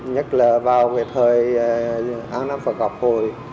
nhất là vào thời an nam phật gặp hồi